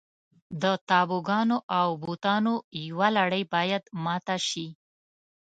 د تابوګانو او بوتانو یوه لړۍ باید ماته شي.